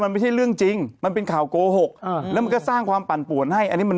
มันไม่ใช่เรื่องจริงมันเป็นข่าวโกหกอ่าแล้วมันก็สร้างความปั่นป่วนให้อันนี้มัน